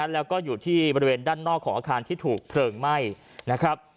แล้วก็อยู่ที่บริเวณด้านนอกของอาคารที่ถูกเพลิงไหม้นะครับ